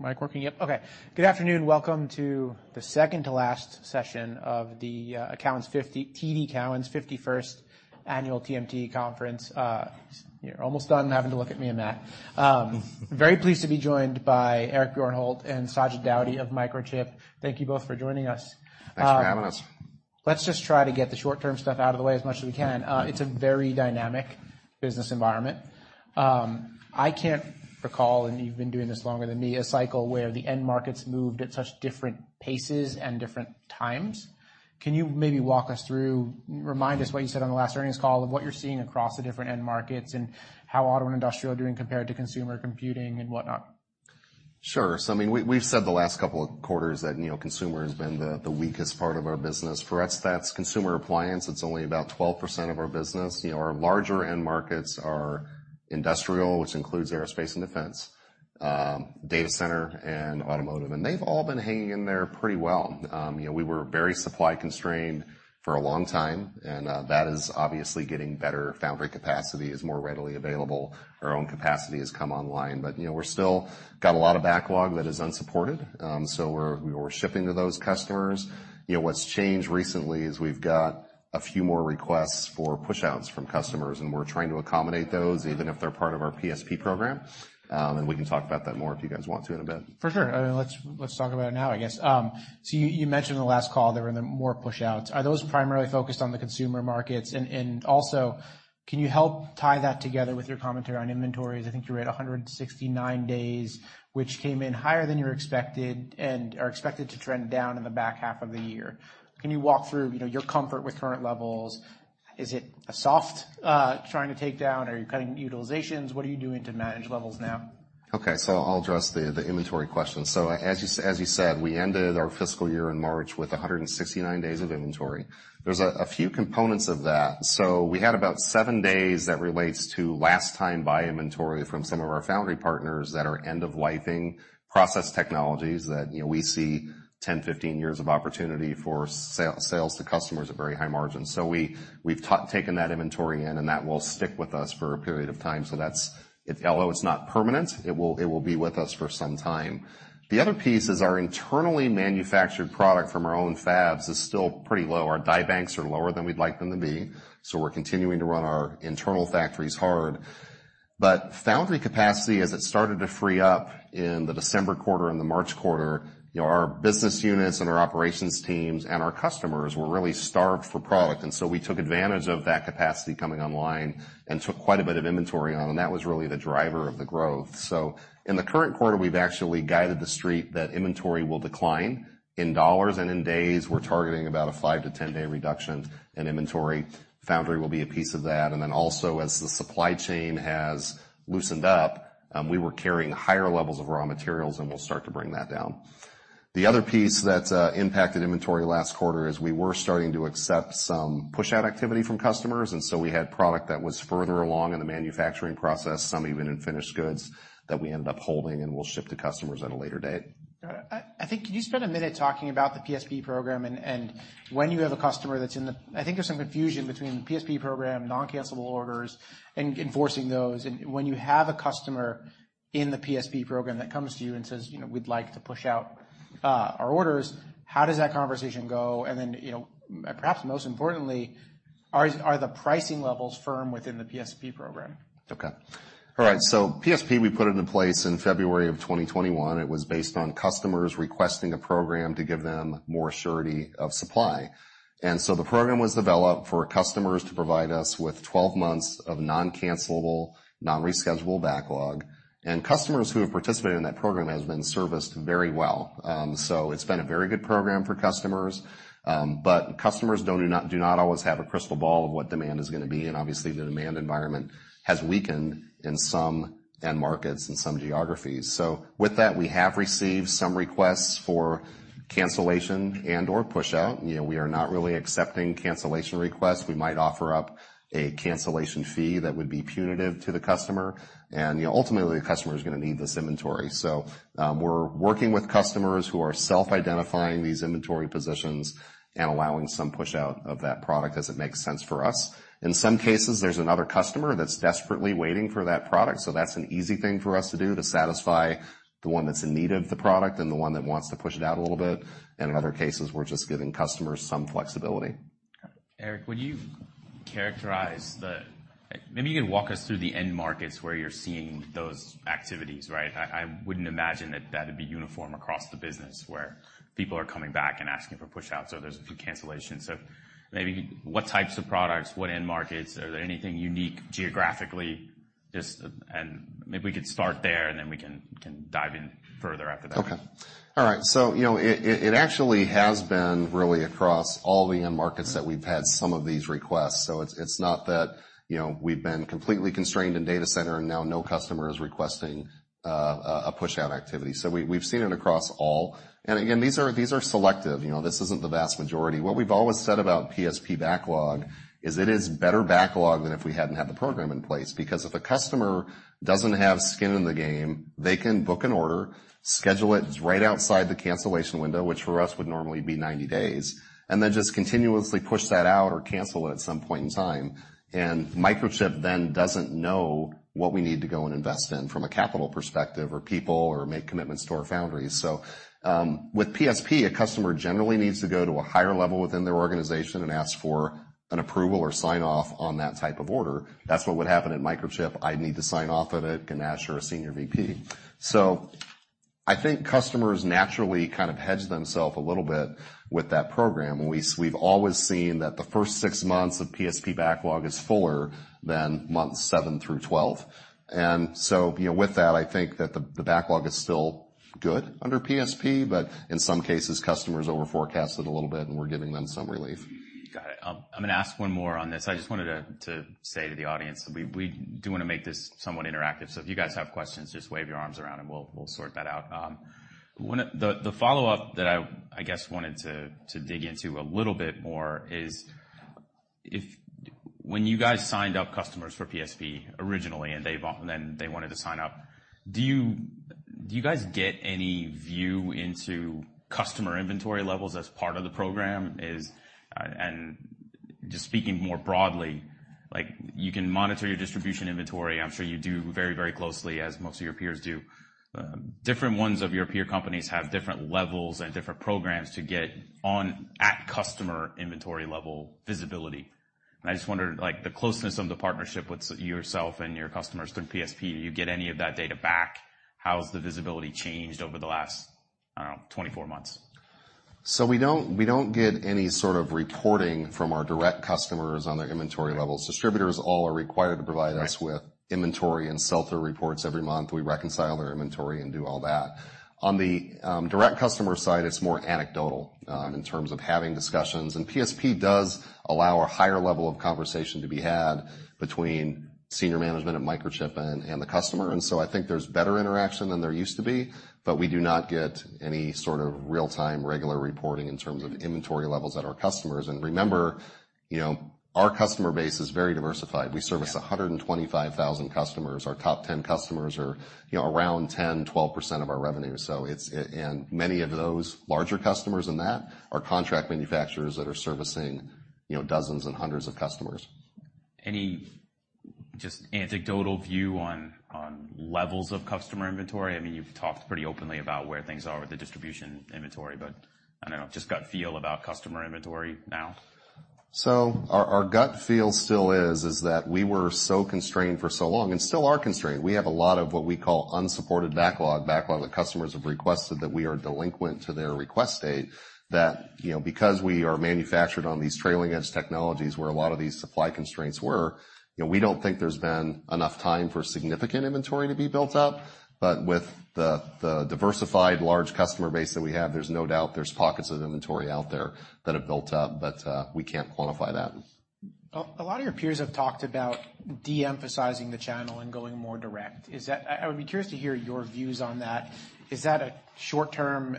mic working yet? Okay. Good afternoon. Welcome to the second to last session of the TD Cowen's 51st annual TMT conference. You're almost done having to look at me and Matt. Very pleased to be joined by Eric Bjornholt and Sajid Daudi of Microchip Technology. Thank you both for joining us. Thanks for having us. Let's just try to get the short-term stuff out of the way as much as we can. It's a very dynamic business environment. I can't recall, and you've been doing this longer than me, a cycle where the end markets moved at such different paces and different times. Can you maybe walk us through, remind us what you said on the last earnings call of what you're seeing across the different end markets, and how auto and industrial are doing compared to consumer computing and whatnot? Sure. I mean, we've said the last couple of quarters that, you know, consumer has been the weakest part of our business. For us, that's consumer appliance. It's only about 12% of our business. You know, our larger end markets are industrial, which includes Aerospace and Defense, data center, and automotive, and they've all been hanging in there pretty well. You know, we were very supply constrained for a long time, and that is obviously getting better. Foundry capacity is more readily available. Our own capacity has come online, but, you know, we're still got a lot of backlog that is unsupported. We're shipping to those customers. You know, what's changed recently is we've got a few more requests for pushouts from customers, and we're trying to accommodate those, even if they're part of our PSP program. We can talk about that more if you guys want to in a bit. For sure. Let's, let's talk about it now, I guess. You, you mentioned in the last call there were the more pushouts. Are those primarily focused on the consumer markets? Also, can you help tie that together with your commentary on inventories? I think you were at 169 days, which came in higher than your expected and are expected to trend down in the back half of the year. Can you walk through, you know, your comfort with current levels? Is it a soft, trying to take down? Are you cutting utilizations? What are you doing to manage levels now? I'll address the inventory question. As you said, we ended our fiscal year in March with 169 days of inventory. There's a few components of that. We had about seven days that relates to last time buy inventory from some of our foundry partners that are end-of-lifing process technologies that, you know, we see 10, 15 years of opportunity for sales to customers at very high margins. We've taken that inventory in, and that will stick with us for a period of time. Although it's not permanent, it will be with us for some time. The other piece is our internally manufactured product from our own fabs is still pretty low. Our die banks are lower than we'd like them to be, so we're continuing to run our internal factories hard. Foundry capacity, as it started to free up in the December quarter and the March quarter, you know, our business units and our operations teams and our customers were really starved for product. We took advantage of that capacity coming online and took quite a bit of inventory on, and that was really the driver of the growth. In the current quarter, we've actually guided the street that inventory will decline. In dollars and in days, we're targeting about a five to 10 day reduction in inventory. Foundry will be a piece of that, as the supply chain has loosened up, we were carrying higher levels of raw materials, and we'll start to bring that down. The other piece that impacted inventory last quarter is we were starting to accept some pushout activity from customers. We had product that was further along in the manufacturing process, some even in finished goods, that we ended up holding and will ship to customers at a later date. I think, can you spend a minute talking about the PSP program. I think there's some confusion between the PSP program, non-cancellable orders, and enforcing those. When you have a customer in the PSP program that comes to you and says, we'd like to push out our orders, how does that conversation go? Then, you know, perhaps most importantly, are the pricing levels firm within the PSP program? Okay. All right, PSP, we put it into place in February of 2021. It was based on customers requesting a program to give them more surety of supply. The program was developed for customers to provide us with 12 months of non-cancellable, non-reschedule backlog. Customers who have participated in that program have been serviced very well. It's been a very good program for customers. Customers do not always have a crystal ball of what demand is going to be, and obviously, the demand environment has weakened in some end markets and some geographies. With that, we have received some requests for cancellation and/or pushout. You know, we are not really accepting cancellation requests. We might offer up a cancellation fee that would be punitive to the customer. You know, ultimately, the customer is going to need this inventory. We're working with customers who are self-identifying these inventory positions and allowing some pushout of that product as it makes sense for us. In some cases, there's another customer that's desperately waiting for that product, so that's an easy thing for us to do to satisfy the one that's in need of the product and the one that wants to push it out a little bit. In other cases, we're just giving customers some flexibility. Okay. Eric, would you characterize maybe you can walk us through the end markets where you're seeing those activities, right? I wouldn't imagine that that would be uniform across the business, where people are coming back and asking for pushouts, or there's cancellations. Maybe what types of products, what end markets? Are there anything unique geographically? Just, maybe we could start there, then we can dive in further after that. Okay. All right. You know, it actually has been really across all the end markets that we've had some of these requests. It's not that, you know, we've been completely constrained in data center, and now no customer is requesting a pushout activity. We've seen it across all. Again, these are selective. You know, this isn't the vast majority. What we've always said about PSP backlog is it is better backlog than if we hadn't had the program in place. Because if a customer doesn't have skin in the game, they can book an order, schedule it right outside the cancellation window, which for us would normally be 90 days, and then just continuously push that out or cancel it at some point in time. Microchip then doesn't know what we need to go and invest in from a capital perspective or people or make commitments to our foundries. With PSP, a customer generally needs to go to a higher level within their organization and ask for an approval or sign off on that type of order. That's what would happen at Microchip. I'd need to sign off on it, Ganesh or a senior VP. I think customers naturally kind of hedge themselves a little bit with that program. We've always seen that the first six months of PSP backlog is fuller than months seven through 12. You know, with that, I think that the backlog is still good under PSP, but in some cases, customers overforecast it a little bit, and we're giving them some relief. Got it. I'm gonna ask one more on this. I just wanted to say to the audience that we do want to make this somewhat interactive. If you guys have questions, just wave your arms around, and we'll sort that out. One of the follow-up that I guess wanted to dig into a little bit more is when you guys signed up customers for PSP originally, and then they wanted to sign up, do you, do you guys get any view into customer inventory levels as part of the program? Is, and just speaking more broadly, like, you can monitor your distribution inventory. I'm sure you do very, very closely, as most of your peers do. Different ones of your peer companies have different levels and different programs to get on at customer inventory level visibility. I just wondered, like, the closeness of the partnership with yourself and your customers through PSP, do you get any of that data back? How has the visibility changed over the last, I don't know, 24 months? We don't, we don't get any sort of reporting from our direct customers on their inventory levels. Distributors all are required to provide us with inventory and sell-through reports every month. We reconcile their inventory and do all that. On the direct customer side, it's more anecdotal in terms of having discussions. PSP does allow a higher level of conversation to be had between senior management at Microchip and the customer. I think there's better interaction than there used to be, but we do not get any sort of real-time, regular reporting in terms of inventory levels at our customers. Remember, you know, our customer base is very diversified. We service 125,000 customers. Our top 10 customers are, you know, around 10-12% of our revenue. Many of those larger customers than that are contract manufacturers that are servicing, you know, dozens and hundreds of customers. Any just anecdotal view on levels of customer inventory? You've talked pretty openly about where things are with the distribution inventory, but I don't know, just gut feel about customer inventory now. Our gut feel still is that we were so constrained for so long and still are constrained. We have a lot of what we call unsupported backlog that customers have requested, that we are delinquent to their request date. You know, because we are manufactured on these trailing edge technologies, where a lot of these supply constraints were, you know, we don't think there's been enough time for significant inventory to be built up. With the diversified, large customer base that we have, there's no doubt there's pockets of inventory out there that have built up, but we can't quantify that. A lot of your peers have talked about de-emphasizing the channel and going more direct. I would be curious to hear your views on that. Is that a short-term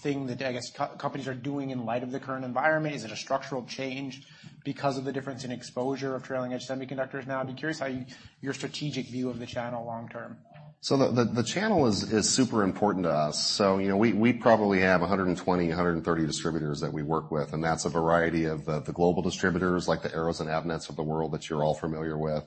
thing that, I guess, companies are doing in light of the current environment? Is it a structural change because of the difference in exposure of trailing edge semiconductors now? I'd be curious how your strategic view of the channel long term. The channel is super important to us. You know, we probably have 120, 130 distributors that we work with, that's a variety of the global distributors, like the Arrow and Avnet of the world that you're all familiar with,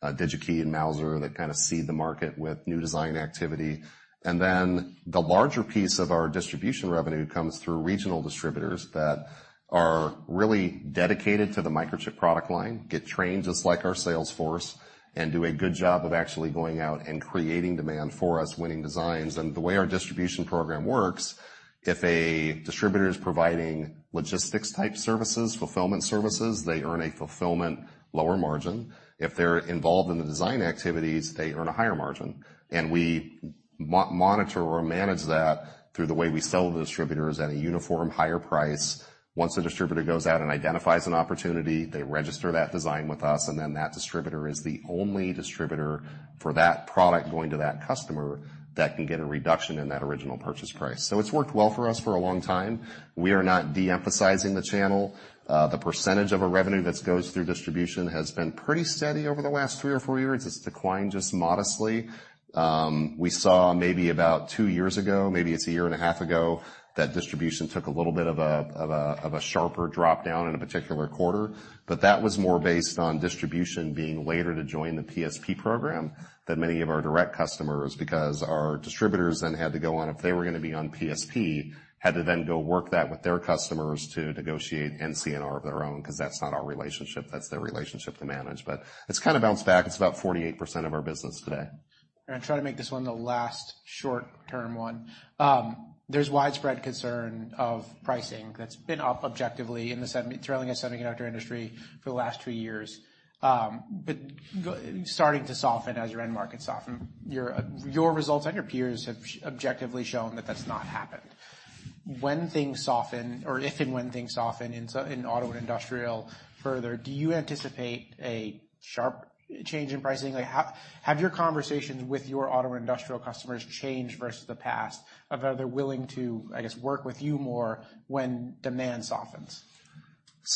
DigiKey and Mouser, that kind of seed the market with new design activity. Then the larger piece of our distribution revenue comes through regional distributors that are really dedicated to the Microchip product line, get trained just like our sales force, and do a good job of actually going out and creating demand for us, winning designs. The way our distribution program works, if a distributor is providing logistics-type services, fulfillment services, they earn a fulfillment lower margin. If they're involved in the design activities, they earn a higher margin, and we monitor or manage that through the way we sell the distributors at a uniform higher price. Once the distributor goes out and identifies an opportunity, they register that design with us, and then that distributor is the only distributor for that product going to that customer that can get a reduction in that original purchase price. It's worked well for us for a long time. We are not de-emphasizing the channel. The percentage of our revenue that goes through distribution has been pretty steady over the last three or four years. It's declined just modestly. We saw maybe about two years ago, maybe it's a year and a half ago, that distribution took a little bit of a sharper drop-down in a particular quarter, but that was more based on distribution being later to join the PSP program than many of our direct customers. Because our distributors then had to go on, if they were going to be on PSP, had to then go work that with their customers to negotiate NCNR of their own, because that's not our relationship, that's their relationship to manage. It's kind of bounced back. It's about 48% of our business today. I'm going to try to make this one the last short-term one. There's widespread concern of pricing that's been up objectively in the semi- trailing and semiconductor industry for the last 2 years, but starting to soften as your end market soften. Your results and your peers have objectively shown that that's not happened. When things soften, or if and when things soften in auto industrial further, do you anticipate a sharp change in pricing? Like, have your conversations with your auto industrial customers changed versus the past, of are they willing to, I guess, work with you more when demand softens?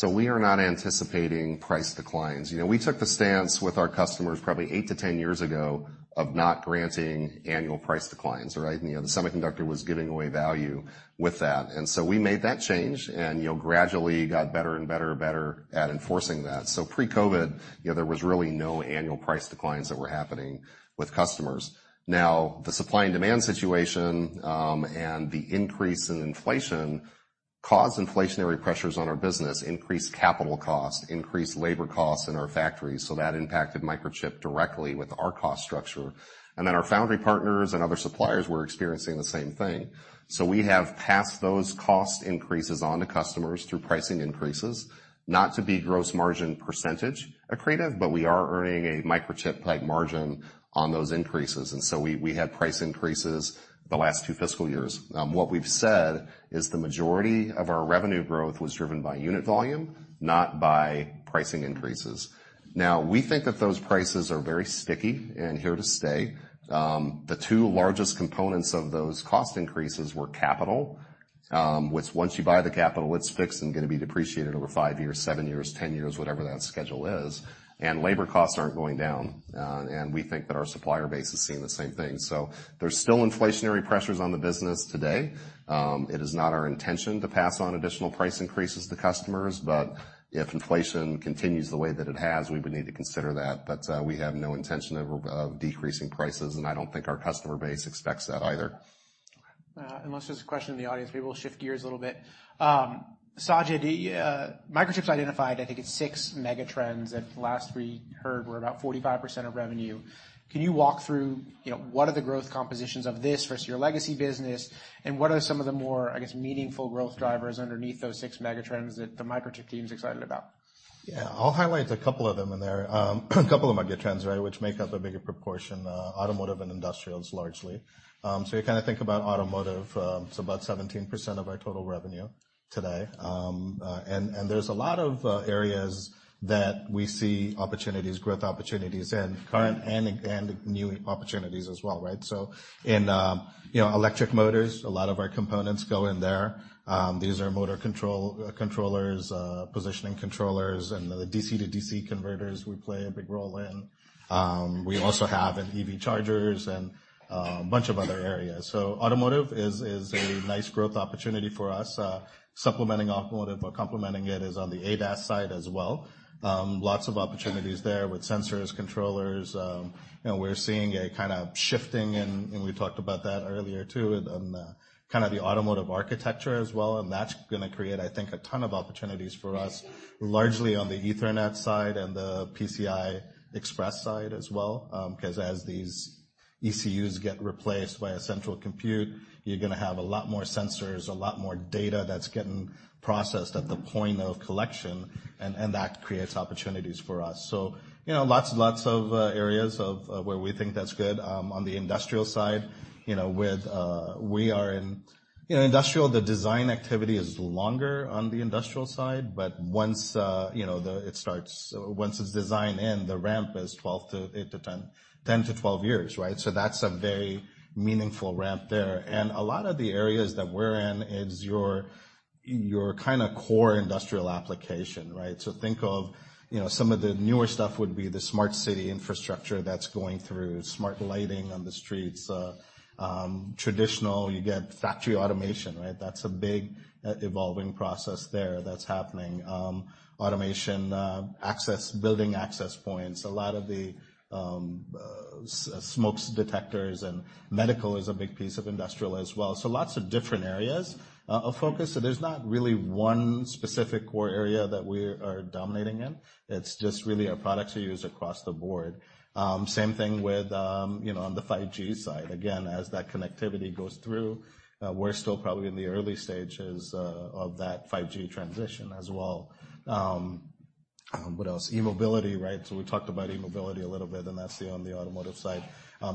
We are not anticipating price declines. You know, we took the stance with our customers probably 8 to 10 years ago, of not granting annual price declines, right? You know, the semiconductor was giving away value with that. We made that change and, you know, gradually got better and better, and better at enforcing that. Pre-COVID, you know, there was really no annual price declines that were happening with customers. Now, the supply and demand situation, and the increase in inflationary pressures on our business, increased capital costs, increased labor costs in our factories. That impacted Microchip directly with our cost structure. Our foundry partners and other suppliers were experiencing the same thing. We have passed those cost increases on to customers through pricing increases, not to be gross margin percentage accretive, but we are earning a Microchip-like margin on those increases, and we had price increases the last two fiscal years. What we've said is the majority of our revenue growth was driven by unit volume, not by pricing increases. Now, we think that those prices are very sticky and here to stay. The two largest components of those cost increases were capital, which once you buy the capital, it's fixed and gonna be depreciated over five years, seven years, 10 years, whatever that schedule is. Labor costs aren't going down, and we think that our supplier base is seeing the same thing. There's still inflationary pressures on the business today. It is not our intention to pass on additional price increases to customers, but if inflation continues the way that it has, we would need to consider that. We have no intention of decreasing prices, and I don't think our customer base expects that either. Unless there's a question in the audience, maybe we'll shift gears a little bit. Sajid, Microchip's identified, I think it's six megatrends, and the last we heard were about 45% of revenue. Can you walk through, you know, what are the growth compositions of this versus your legacy business, and what are some of the more, I guess, meaningful growth drivers underneath those six megatrends that the Microchip team's excited about? Yeah. I'll highlight a couple of them in there, a couple of megatrends, right, which make up a bigger proportion, automotive and industrials, largely. You kind of think about automotive, it's about 17% of our total revenue today. And there's a lot of areas that we see opportunities, growth opportunities and current and new opportunities as well, right? In, you know, electric motors, a lot of our components go in there. These are motor control, controllers, positioning controllers, and the DC-DC converters, we play a big role in. We also have in EV chargers and a bunch of other areas. Automotive is a nice growth opportunity for us. Supplementing automotive or complementing it is on the ADAS side as well. Lots of opportunities there with sensors, controllers. You know, we're seeing a kind of shifting, and we talked about that earlier, too, on the kind of the automotive architecture as well, and that's gonna create, I think, a ton of opportunities for us, largely on the Ethernet side and the PCI Express side as well. Because as these ECUs get replaced by a central compute, you're gonna have a lot more sensors, a lot more data that's getting processed at the point of collection, and that creates opportunities for us. You know, lots and lots of areas where we think that's good. On the industrial side with we are in. The design activity is longer on the industrial side, but once, you know, it starts, once it's designed in, the ramp is 12 to eight to 10 to 12 years. That's a very meaningful ramp there. A lot of the areas that we're in is your kind of core industrial application. Think of some of the newer stuff would be the smart city infrastructure that's going through, smart lighting on the streets, traditional, you get factory automation. That's a big, evolving process there that's happening. Automation, access, building access points, a lot of the, smoke detectors, and medical is a big piece of industrial as well. Lots of different areas of focus. There's not really one specific core area that we are dominating in. It's just really our products are used across the board. Same thing with, you know, on the 5G side. As that connectivity goes through, we're still probably in the early stages of that 5G transition as well. What else? e-mobility, right? We talked about e-mobility a little bit, and that's on the automotive side.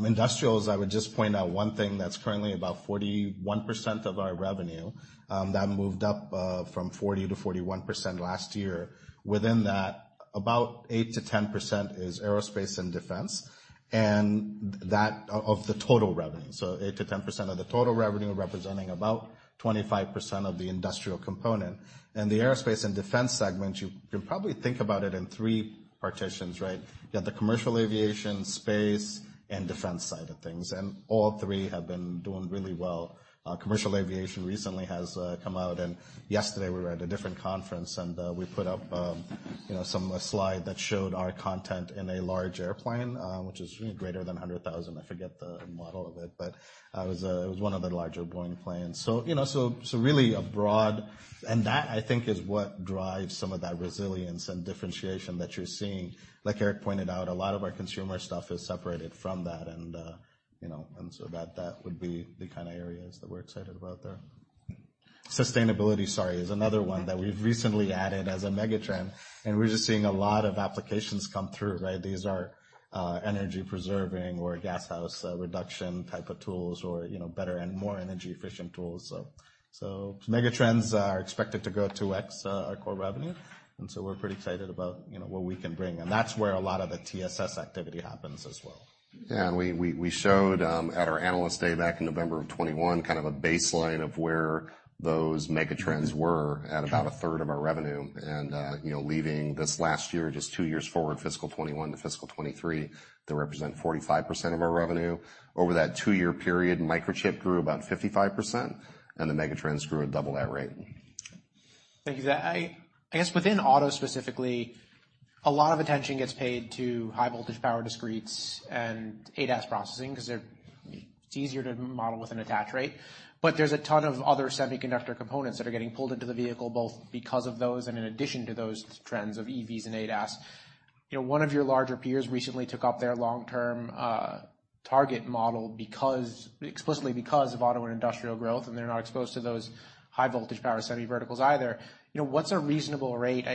Industrials, I would just point out one thing that's currently about 41% of our revenue that moved up from 40%-41% last year. Within that, about 8%-10% is Aerospace and Defense, and that, of the total revenue, so 8%-10% of the total revenue, representing about 25% of the industrial component. The Aerospace and Defense segment, you can probably think about it in three partitions. You have the commercial aviation, space, and defense side of things. All three have been doing really well. Commercial aviation recently has come out. Yesterday we were at a different conference and we put up, you know, some slide that showed our content in a large airplane, which is greater than 100,000. I forget the model of it, but it was one of the larger Boeing planes. So, you know, really a broad. That, I think, is what drives some of that resilience and differentiation that you're seeing. Like Eric pointed out, a lot of our consumer stuff is separated from that. That would be the kind of areas that we're excited about there. Sustainability, sorry, is another one that we've recently added as a megatrend. We're just seeing a lot of applications come through. These are energy preserving or greenhouse reduction type of tools or better and more energy efficient tools. Megatrends are expected to grow 2x our core revenue. We're pretty excited about, you know, what we can bring. That's where a lot of the TSS activity happens as well. Yeah, we showed at our Analyst Day back in November of 2021, kind of a baseline of where those megatrends were at about a third of our revenue. You know, leaving this last year, just two years forward, fiscal 2021 to fiscal 2023, they represent 45% of our revenue. Over that two-year period, Microchip grew about 55%, and the megatrends grew at double that rate. Thank you. I guess within auto specifically, a lot of attention gets paid to high-voltage power discretes and ADAS processing, 'cause they're easier to model with an attach rate. There's a ton of other semiconductor components that are getting pulled into the vehicle, both because of those and in addition to those trends of EVs and ADAS. You know, one of your larger peers recently took up their long-term target model because, explicitly because of auto and industrial growth. They're not exposed to those high-voltage power semi verticals either. You know, what's a reasonable rate?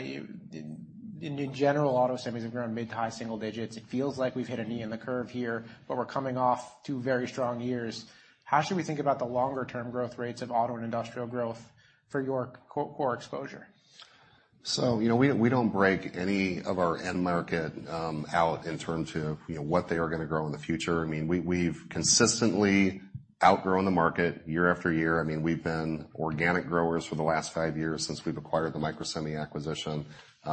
In general, auto semis have grown mid-to-high single digits. It feels like we've hit a knee in the curve here. We're coming off two very strong years. How should we think about the longer term growth rates of auto and industrial growth for your, quote, core exposure? You know, we don't break any of our end market out in term to, you know, what they are gonna grow in the future. I mean, we've consistently outgrown the market year after year. I mean, we've been organic growers for the last five years since we've acquired the Microsemi acquisition. You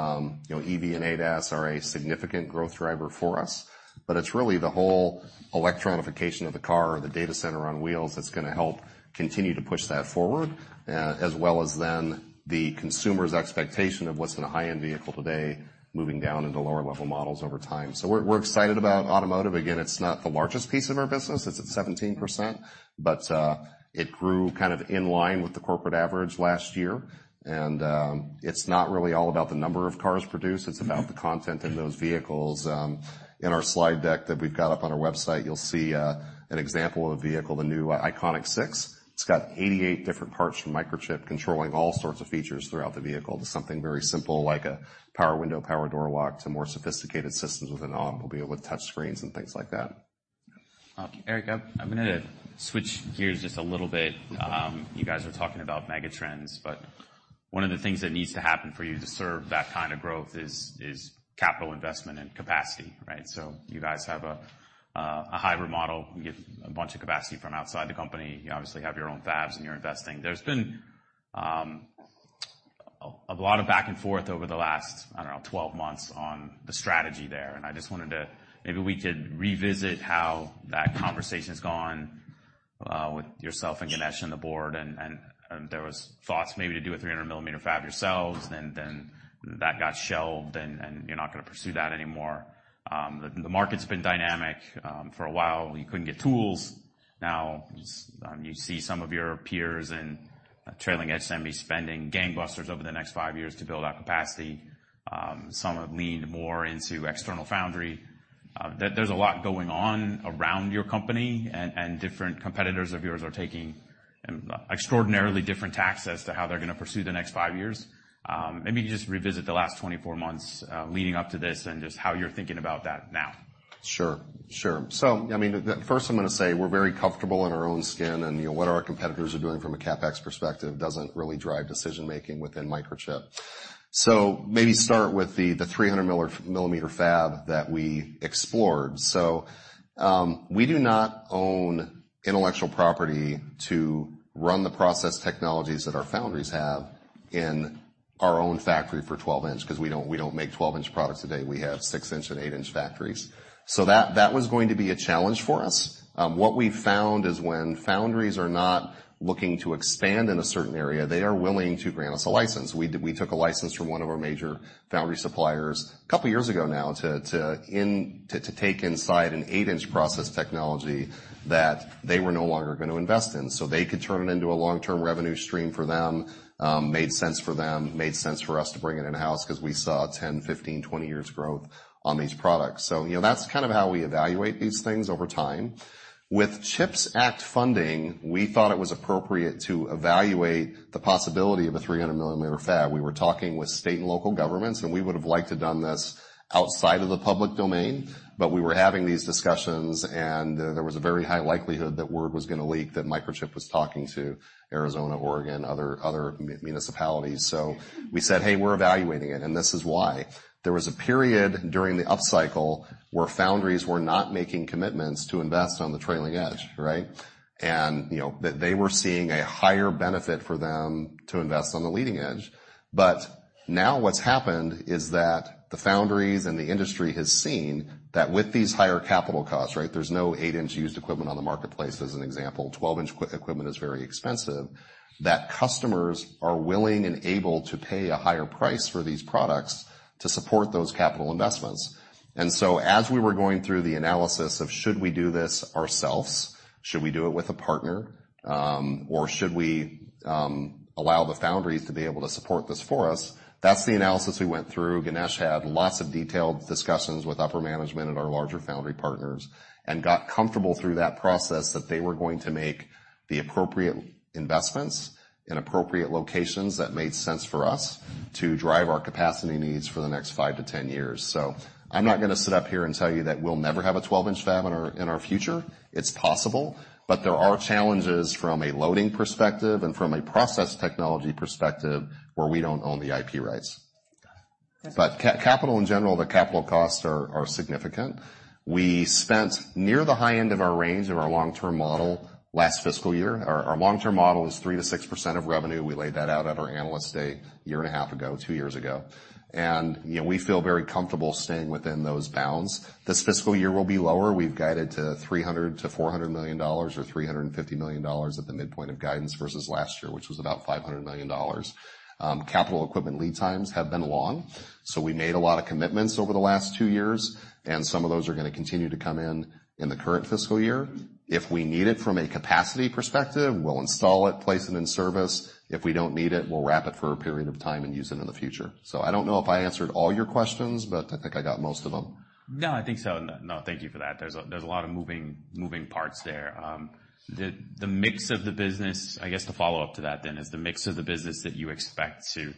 know, EV and ADAS are a significant growth driver for us, but it's really the whole electronification of the car or the data center on wheels that's gonna help continue to push that forward, as well as then the consumer's expectation of what's in a high-end vehicle today, moving down into lower-level models over time. We're excited about automotive. Again, it's not the largest piece of our business. It's at 17%, but it grew kind of in line with the corporate average last year. It's not really all about the number of cars produced, it's about the content in those vehicles. In our slide deck that we've got up on our website, you'll see an example of a vehicle, the new Iconic Six. It's got 88 different parts from Microchip, controlling all sorts of features throughout the vehicle, to something very simple, like a power window, power door lock, to more sophisticated systems with an arm, we'll be able to touch screens and things like that. Eric, I'm gonna switch gears just a little bit. You guys are talking about megatrends, but one of the things that needs to happen for you to serve that kind of growth is capital investment and capacity, right? You guys have a hybrid model. You get a bunch of capacity from outside the company. You obviously have your own fabs, and you're investing. There's been a lot of back and forth over the last, I don't know, 12 months on the strategy there. Maybe we could revisit how that conversation's gone with yourself and Ganesh and the board, and there was thoughts maybe to do a 300mm fab yourselves, then that got shelved, and you're not gonna pursue that anymore. The market's been dynamic. For a while, you couldn't get tools. You see some of your peers in trailing edge semi spending gangbusters over the next five years to build out capacity. Some have leaned more into external foundry. There's a lot going on around your company, and different competitors of yours are taking extraordinarily different tacks as to how they're gonna pursue the next five years. Maybe just revisit the last 24 months, leading up to this and just how you're thinking about that now. Sure. Sure. First, I'm gonna say we're very comfortable in our own skin, and, you know, what our competitors are doing from a CapEx perspective doesn't really drive decision-making within Microchip. Maybe start with the 300mm fab that we explored. We do not own intellectual property to run the process technologies that our foundries have in our own factory for 12-inch, because we don't, we don't make 12-inch products today. We have six-inch and 8-inch factories. That was going to be a challenge for us. What we found is when foundries are not looking to expand in a certain area, they are willing to grant us a license. We took a license from one of our major foundry suppliers a couple years ago now, to take inside an 8-inch process technology that they were no longer gonna invest in. They could turn it into a long-term revenue stream for them, made sense for them, made sense for us to bring it in-house because we saw 10, 15, 20 years' growth on these products. You know, that's kind of how we evaluate these things over time. With CHIPS Act funding, we thought it was appropriate to evaluate the possibility of a 300mm fab. We were talking with state and local governments, and we would have liked to done this outside of the public domain, but we were having these discussions, and there was a very high likelihood that word was gonna leak, that Microchip was talking to Arizona, Oregon, other municipalities. We said, we're evaluating it, and this is why. There was a period during the upcycle where foundries were not making commitments to invest on the trailing edge. They were seeing a higher benefit for them to invest on the leading edge. What's happened is that the foundries and the industry has seen that with these higher capital costs, right, there's no 8-inch used equipment on the marketplace, as an example, 12-inch equipment is very expensive, that customers are willing and able to pay a higher price for these products to support those capital investments. As we were going through the analysis of should we do this ourselves, should we do it with a partner, or should we allow the foundries to be able to support this for us? That's the analysis we went through. Ganesh had lots of detailed discussions with upper management at our larger foundry partners and got comfortable through that process that they were going to make the appropriate investments in appropriate locations that made sense for us to drive our capacity needs for the next five to 10 years. I'm not gonna sit up here and tell you that we'll never have a 12-inch fab in our future. It's possible, there are challenges from a loading perspective and from a process technology perspective where we don't own the IP rights. Capital, in general, the capital costs are significant. We spent near the high end of our range of our long-term model last fiscal year. Our long-term model is 3%-6% of revenue. We laid that out at our Analyst Day a year and a half ago, two years ago, and, you know, we feel very comfortable staying within those bounds. This fiscal year will be lower. We've guided to $300 million-$400 million, or $350 million at the midpoint of guidance versus last year, which was about $500 million. Capital equipment lead times have been long, we made a lot of commitments over the last 2 years, and some of those are gonna continue to come in in the current fiscal year. If we need it from a capacity perspective, we'll install it, place it in service. If we don't need it, we'll wrap it for a period of time and use it in the future. I don't know if I answered all your questions, but I think I got most of them. No, I think so. No, thank you for that. There's a lot of moving parts there. The mix of the business, I guess, to follow up to that then, is the mix of the business that you expect to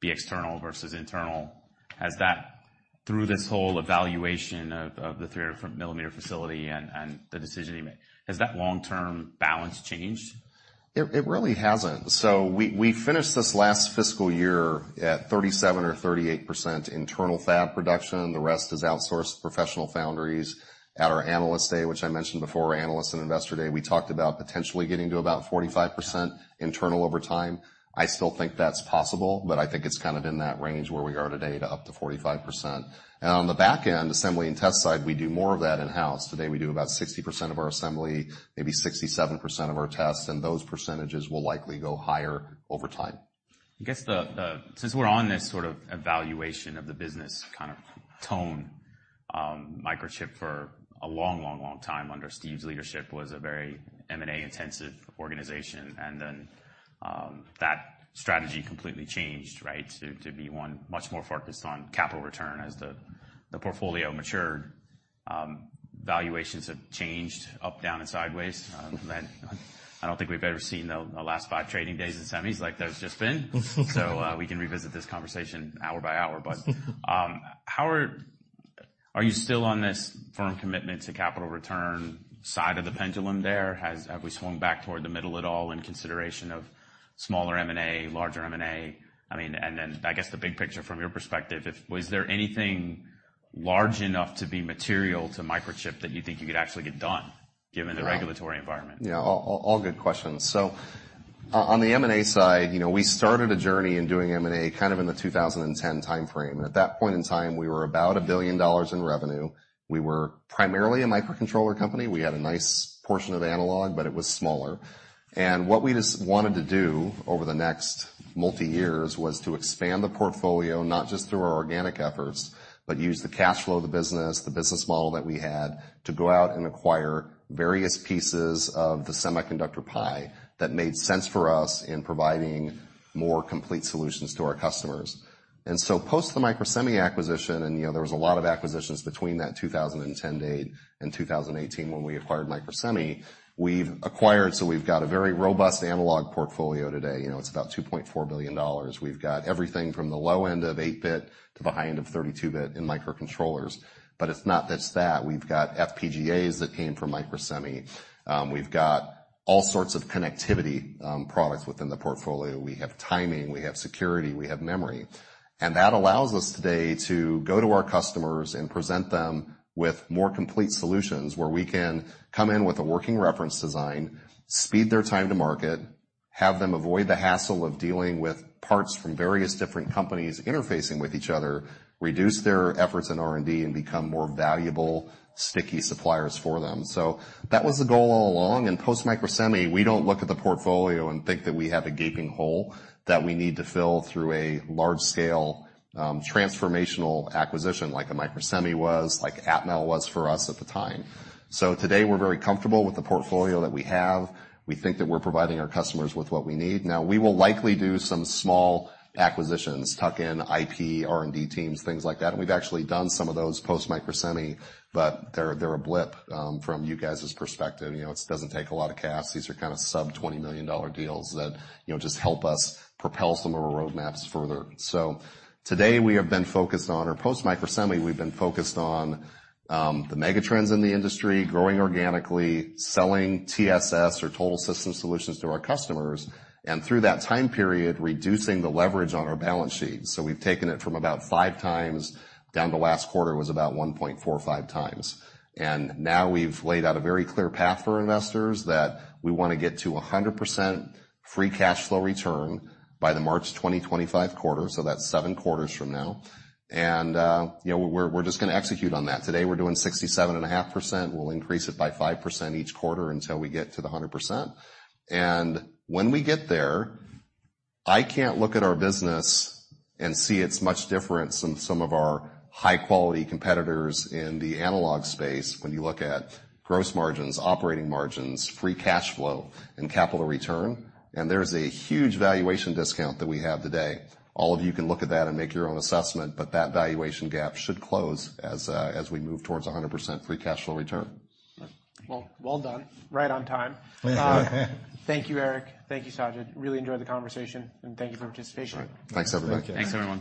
be external versus internal, has that, through this whole evaluation of the 300mm facility and the decision you made, has that long-term balance changed? It really hasn't. We finished this last fiscal year at 37% or 38% internal fab production. The rest is outsourced professional foundries. At our Analyst Day, which I mentioned before, Analyst and Investor Day, we talked about potentially getting to about 45% internal over time. I still think that's possible, but I think it's kind of in that range where we are today, to up to 45%. On the back end, assembly and test side, we do more of that in-house. Today, we do about 60% of our assembly, maybe 67% of our tests, and those percentages will likely go higher over time. I guess since we're on this sort of evaluation of the business kind of tone, Microchip, for a long, long, long time under Steve's leadership, was a very M&A-intensive organization, then that strategy completely changed, right, to be one much more focused on capital return as the portfolio matured. Valuations have changed up, down, and sideways. And I don't think we've ever seen the last five trading days in semis like there's just been. We can revisit this conversation hour by hour. How are you still on this firm commitment to capital return side of the pendulum there? Have we swung back toward the middle at all in consideration of smaller M&A, larger M&A? The big picture from your perspective, was there anything large enough to be material to Microchip that you think you could actually get done, given the regulatory environment? Yeah, all good questions. On the M&A side, you know, we started a journey in doing M&A kind of in the 2010 timeframe. At that point in time, we were about $1 billion in revenue. We were primarily a microcontroller company. We had a nice portion of analog, but it was smaller. What we just wanted to do over the next multi years was to expand the portfolio, not just through our organic efforts, but use the cash flow of the business, the business model that we had, to go out and acquire various pieces of the semiconductor pie that made sense for us in providing more complete solutions to our customers. Post the Microsemi acquisition, and, you know, there was a lot of acquisitions between that 2010 date and 2018, when we acquired Microsemi, so we've got a very robust analog portfolio today. You know, it's about $2.4 billion. We've got everything from the low end of 8-bit to the high end of 32-bit in microcontrollers. It's not just that. We've got FPGAs that came from Microsemi. We've got all sorts of connectivity products within the portfolio. We have timing, we have security, we have memory. That allows us today to go to our customers and present them with more complete solutions, where we can come in with a working reference design, speed their time to market, have them avoid the hassle of dealing with parts from various different companies interfacing with each other, reduce their efforts in R&D, and become more valuable, sticky suppliers for them. That was the goal all along, and post Microsemi, we don't look at the portfolio and think that we have a gaping hole that we need to fill through a large-scale, transformational acquisition, like a Microsemi was, like Atmel was for us at the time. Today, we're very comfortable with the portfolio that we have. We think that we're providing our customers with what we need. Now, we will likely do some small acquisitions, tuck-in, IP, R&D teams, things like that, and we've actually done some of those post Microsemi, but they're a blip, from you guys' perspective. You know, it doesn't take a lot of cash. These are kind of sub-$20 million deals that, you know, just help us propel some of our roadmaps further. Post Microsemi, we've been focused on the megatrends in the industry, growing organically, selling TSS, or total system solutions, to our customers, and through that time period, reducing the leverage on our balance sheet. We've taken it from about 5x, down to last quarter was about 1.4 or 1.5 times. Now we've laid out a very clear path for investors that we want to get to 100% free cash flow return by the March 2025 quarter, so that's 7 quarters from now. You know, we're just gonna execute on that. Today, we're doing 67.5%. We'll increase it by 5% each quarter until we get to the 100%. When we get there, I can't look at our business and see it's much different from some of our high-quality competitors in the analog space, when you look at gross margins, operating margins, free cash flow, and capital return, there's a huge valuation discount that we have today. All of you can look at that and make your own assessment, that valuation gap should close as we move towards 100% free cash flow return. Well, well done. Right on time. Thank you, Eric. Thank you, Sajid. Really enjoyed the conversation, and thank you for participating. Thanks, everybody. Thanks, everyone.